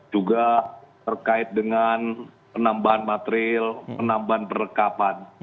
juga terkait dengan penambahan material penambahan perekapan